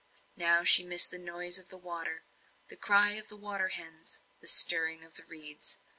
Now she missed the noise of the water the cry of the water hens the stirring of the reeds.